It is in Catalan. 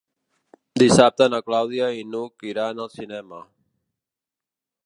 Dissabte na Clàudia i n'Hug iran al cinema.